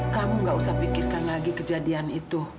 kamu gak usah pikirkan lagi kejadian itu